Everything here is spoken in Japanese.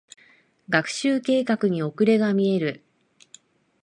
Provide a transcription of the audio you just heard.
学習計画に遅れが見える。